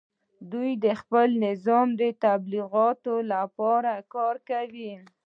دوی د خپل نظام د تبلیغاتو لپاره کار کوي